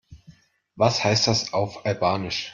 Was heißt das auf Albanisch?